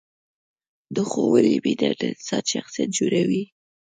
د ښوونې مینه د انسان شخصیت جوړوي.